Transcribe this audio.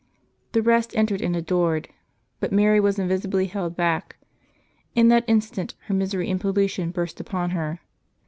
The rest entered and adored ; but Mary was invisibly held back. In that instant her misery and pollution burst upon her.